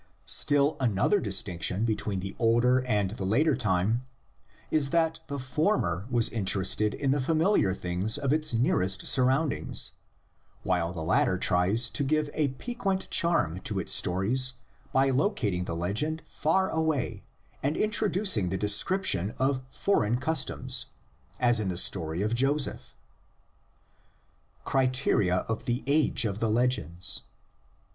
Still another distinction between the older and the later time is that the former was interested in the familiar things of its nearest surroundings, while the latter tries to give a piquant charm to its stories by locating the legend far away and introducing the description of foreign customs, as in the story of Joseph. CRITERIA OF THE AGE OF THE LEGENDS.